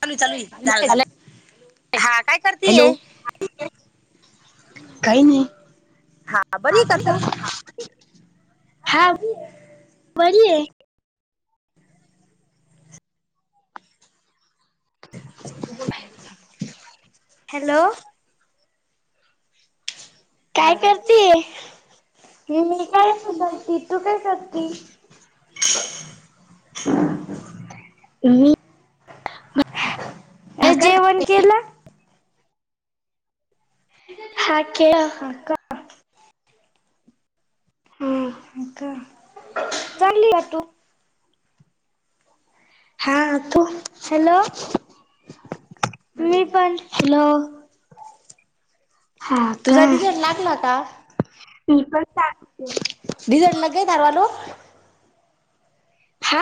चालू आहे, चालू आहे. झालं झालं हा काय [unintelligible] हॅलो. करतीये हा [inaudible] बरी आहे का तू हा, बरी ये. हॅलो. काय करते हे मी काय [inaudible] घलती तू काय करती ह [unintelligible] अ भाकर जेवण केलं. हा केल. हो का हम्म हो का, चागली का तू? हा तु हॅलो! मी पण, हॅलो! हा का, मी पण डिझल्ट लागेच [unintelligible] हा..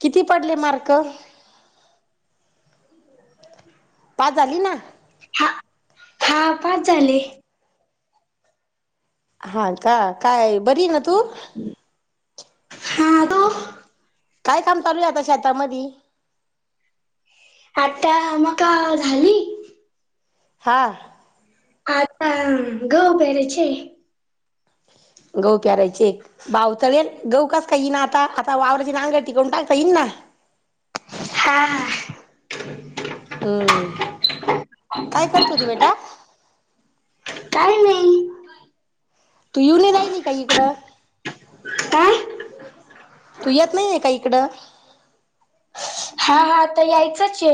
किती पडले मार्क? पास झाली ना, हा हा पास झाली. हा का काय बरी न हा का. काय काम चालू आहे आता शेतामध्ये. आठा म का झाली की. हां का गऊ पेराचे. गहू पेरायचे. बावचंलेलं गहू कसा काय येईल ना आता आता वावराची नागे टिकवून टाकता येईन ना. हा हा हम्म काय करत होती बेटा? काही नाही. तू येऊ नाही राहली काही इकडं? काय तू येत नाही आहेे का इकडं? हा हाता यायचच ये.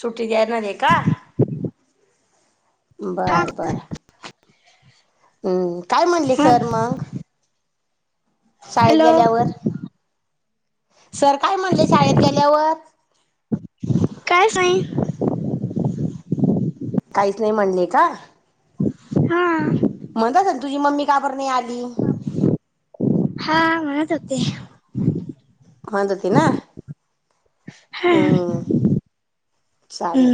सुट्टीत देणार आहे का? बरं बरं. हम्म हम्म, काय म्हणले हा सर मग? शाळेत हॅलो गेल्यावर, सर काय म्हणले शाळेत गेल्यावर? कायचं नाय. काहीच नाही म्हणले का? हा. म्हणतच तुझी मम्मी का बरं नाही आली? हा म्हणतं होते. म्हणतं होती ना. हा हम्म चालेल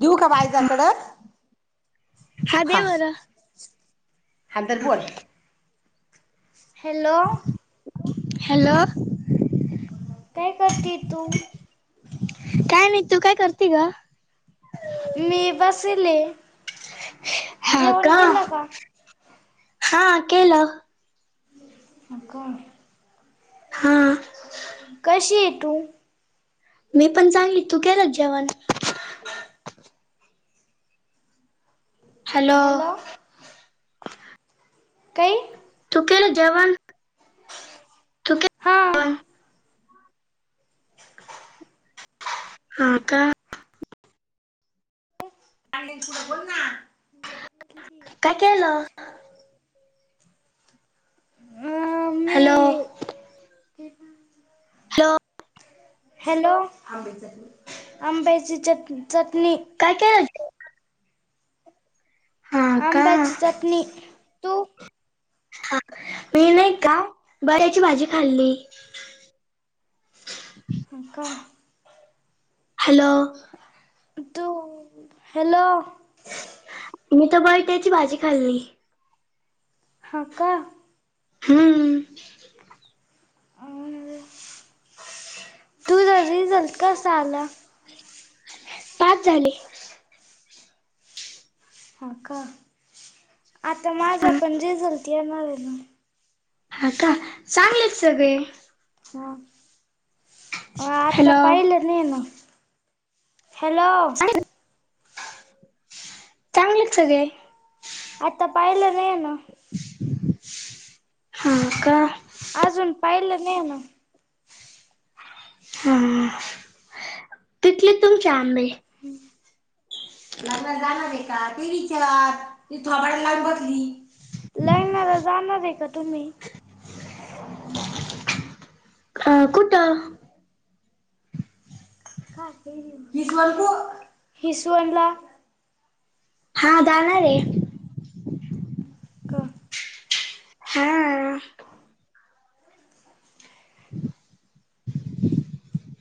देऊ का बायजा हा कडं? हा दे बरं. हा धर बोलं. हॅलो! हॅलो. काय करती तू? काय नाही तू काय करती व? मी बसेल आहे, जेवण केलं का? हा केलं. हा काय? हा. कशी आहेे तू? मी पण चांगली, तू केलं का जेवण? हॅलो. कई. तू केलं जेवण? हा वण. हा का. चाललीन पुढं बोल ना. काय केलं? [inaudible] हॅलो. [inaudible] हॅलो आंब्याची चटणी चटणी. काय केलंत? हा का आंब्याची चटणी. तू हा, मी नाही का बड्याची भाजी खाल्ली. हो का. हॅलो. तू हॅलो. मी तर बटाट्याची भाजी खाल्ली. हाव का? हां. अ... तुझा रिझल्ट कसा आला? पास झाले. हा का, आता माझा हा पण रिझल्ट येणार आहे ना. हा का, चांगलेत सगळे. हो, आता हॅलो पाहिलेत. नाही ना, हॅलो. चांगलेत सगळे. आत्ता पाहिलं नाही ना. हाव का? अजून पाहिलं नाही ना. हां, पितलेत तुमचे आंबे? लग्नाला जाणारे क, ते विचार ती थोबाड लावुन बतली. लग्नाला जाणारे का तुम्ही? अ... कुठं? हिसवळ बो हिसवनला. हा, जाणारे. क [inaudible] हंम्मं् [inaudible]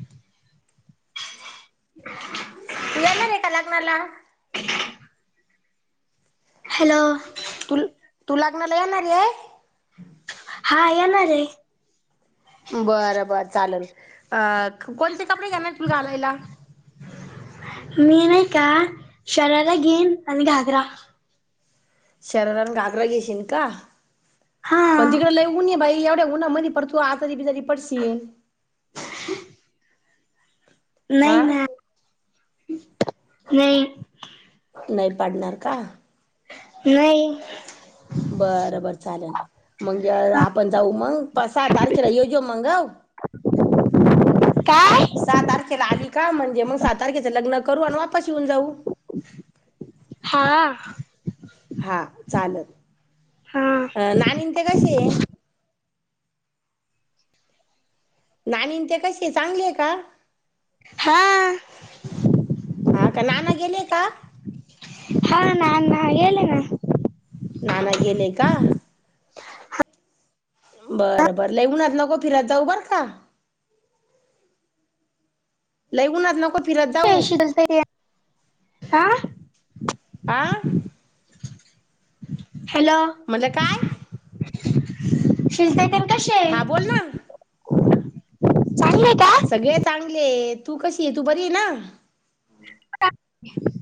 [inaudible] तू येणार आहे. का? लग्नाला?. हॅलो व. तु [inaudible] तू लग्नाला येणार आहे. हांअ येणार आहे. बरं -बरं चालेल अऔ कोणते कपडे घेणार तुम्हीं घालायला. मीं नाही कां शरारा घेईन आणि घागरा. शरार, घागरा. घेशील का? हा पण तिकडे लई उन बाई एवढ्या उन्हा मध परत. तू आजारी- बिजारी पडशील. नाही हा नां [unintelligible] नाहीत. नाही पाडणार का?. नाहीत. बरं -बर चालेलं मगे आपण जाऊ मग सहा तारखेला येऊजो मग काय सहा, तारखेला आली का? म्हणजे मग सात, तारखेचं लग्न करू आणि वापस येऊन जाऊ हांअं. हांअ चालेल हा नाणी ते कसे आहे. नाणी ते कशी कायं चांगलीय का? हांअं. हांअ कां? नाना गेले का?. [inaudible] हां नांं नाना गेले नां. नाना गेले कां?. बरं -बरं लई ऊनात नको फिरतं जाऊ बरं का? लई ऊूनात नको फिरत जाऊ. अशीस [unintelligible] हांअ. आं अ [unintelligible] हॅलो म्हणलं काय तब्बेत [unintelligible] तेन कसे आहे हा [inaudible] बोल ना चांगलंय का. सगळे चांगले तूं कशी आहे तूं बरी आहे नां. [unintelligible]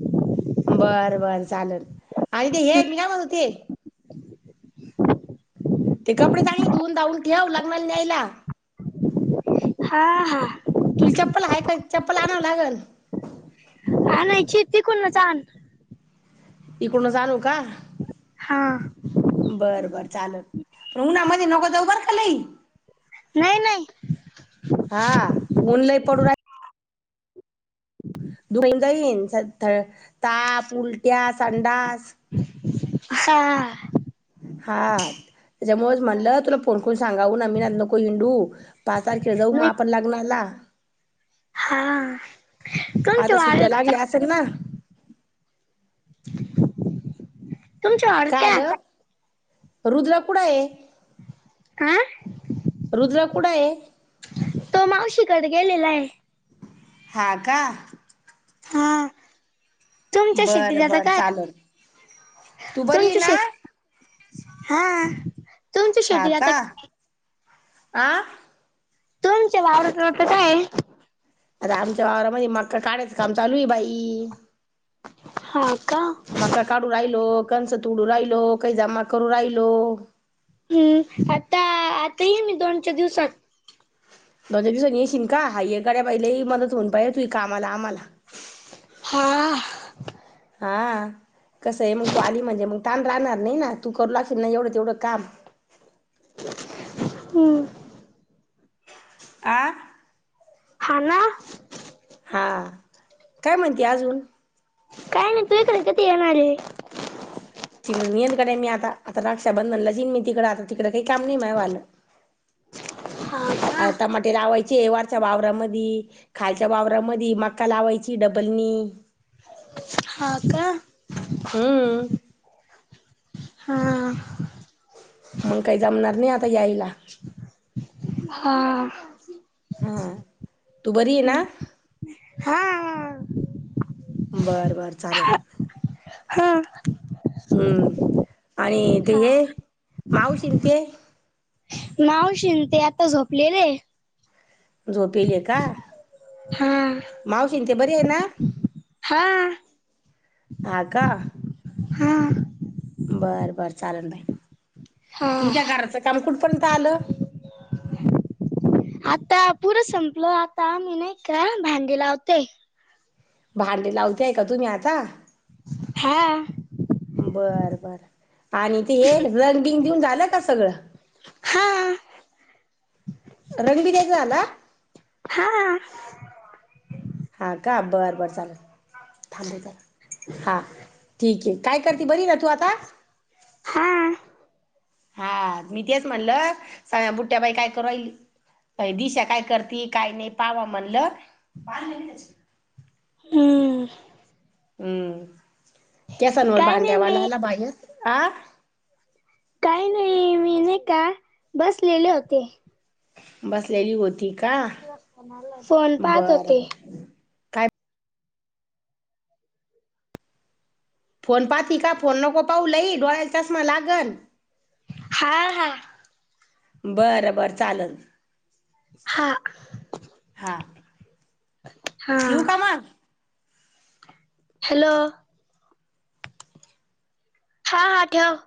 बरं -बर चालेल आणि ते हे मी कामत होते. ते कपडे चांगले धुन -धावून ठेवऊ लग्नांला न्यायला. हां- हां. तुला चप्पल आहेयं काय्, चप्पल आणावं लागल. आणायचीअ तीकूनचं आण. - ईकडून चं आणू का.? हांअ. बरं-बरं चालेल पणं उन्हामध्ये नको जाऊ बरं खालीई. नाहीई- नाहीई. हां ऊन लय पडून राहल्. धुैंगईन ताप, उलट्या, संडास. [inaudible] हा हा त्याच्यामुळेच म्हणलं तुला फोन करून सांगाव उन्हात नको हिंडू. पाच तारखेला जाऊ मग नाही आपण लग्नाला. हां आता सुट्ट्या लागल्या असेल ना. तुमच्या वावरात काय आलं आता रुद्रा कुठं आहे. हा रुद्र कुठं हाय. तो मावशीकडे गेलेला हाय ‌. हा का. हा तुमच्या शेतीत बर आता बर काय.. चालत तू बरी आहे तुमच्या ना? शेतीत हा तुमच्या हा शेतीत का आता काय आ. तुमचे [unintelligible] काय हाय आता आमच्या वावरामध्ये मक्का काढायचं काम चालू आहे बाई. हा का मका काढू राहिलो कणसं तोडू राहिलो काही जमा करू राहिलो. हम्म आता आता येईन मी दोन चार दिवसात. दोनज दिवसां येशील का हाय गाड्या बाई लय मदत होईल तुही कामाला आम्हाला. हा हा कसं आहे मग तू आली म्हणजे मग. ताण राहणार नाही ना तू करू लागशील ना एवढं तेवढं काम. हमं आ हा ना हा काय म्हणती अजून. काय नाही तू एकडे कधी येणार हाय. तिकडे [unintelligible] मी आता आता रक्षा बंधनला येईन मी तिकडं आता तिकडं काही काम नाही म वालं. [unintelligible] हा का आ टमाटे लावायचे वरच्या वावरामधी. खालच्या वावरामदी मक्का लावायची डबल नी. हा का. हम्म. हा. मंग काही जमणार नाही आता यायला. हा. हा तू बरी आहे ना? हा. बरं बरं चाललं. हा. हम्म आणि ते हे मावशी आणि ते मावशी आणि ते आता झोपलेले आहे. झोपेले का? हा. मावशीनं ती बरी ये ना? हा. हा का. हा. बरं बरं चालेल बाई हा तुमच्या घराचं काम कुठपर्यंत आलं? आता पुरं संपल आता आम्ही नायका भांडी लावतोय. भांडी लावतेय का तुम्ही आता? हा. बर बर आणि ते हे रंग बिंग देऊन झालं का सगळं? हा. रंग बी द्यायचा झाला? हा. हा का बरं बरं चालेल थांबव का हा ठीक ये. काय करती? बरी ये ना तू आ हा. हा मी तेच म्हणलं सगळ्या बुट्ट्या बाई काय करू राहीली? बाई दिशा काय करती, काय नाय पाहाव म्हणलं. हम्म. हम्म केसांवर काय नाही मी भांड्यावाला आला बायर आ काय नाई मी नाई का बसलेले होते. बसलेली होती का? फोन पाहत बरं होते बरं. फोन पाहती का? फोन नको पाहु लई डोळ्याला चष्मा लागलं. हा हा. बरं बरं चाललं. हा हा हा. ठेवू का मग हॅलो. हां हां ठेव.